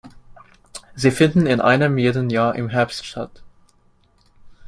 Sie finden in einem jeden Jahr im Herbst statt.